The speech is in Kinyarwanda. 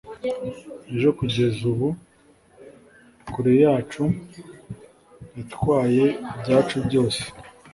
ejo kugeza ubu kure yacu yatwaye ibyacu byose